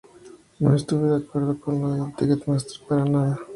No estuve de acuerdo con lo de Ticketmaster para nada.